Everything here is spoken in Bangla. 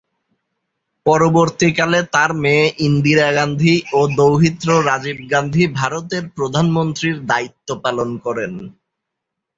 পরবর্তীকালে তার মেয়ে ইন্দিরা গান্ধী ও দৌহিত্র রাজীব গান্ধী ভারতের প্রধানমন্ত্রীর দায়িত্ব পালন করেন।